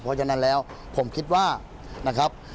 เพราะฉะนั้นแล้วผมคิดว่านะครับ